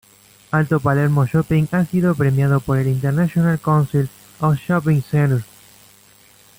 Alto Palermo Shopping ha sido premiado por el International Council of Shopping Centers.